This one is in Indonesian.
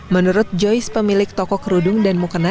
menurut joyce pemilik toko kerudung dan mukena